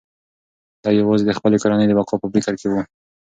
دی یوازې د خپلې کورنۍ د بقا په فکر کې و.